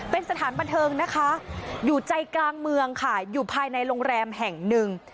เป็นสถานบันเทิงนะคะอยู่ใจกลางเมืองค่ะอยู่ภายในโรงแรมแห่งหนึ่ง